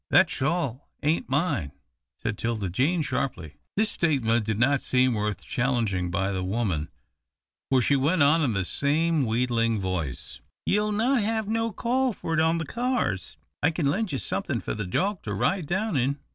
"That shawl ain't mine," said 'Tilda Jane, sharply. This statement did not seem worth challenging by the woman, for she went on in the same wheedling voice, "You'll not hev no call for it on the cars. I kin lend you somethin' for the dog to ride down in.